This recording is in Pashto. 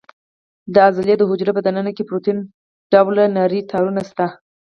د عضلې د حجرو په دننه کې پروتین ډوله نري تارونه شته.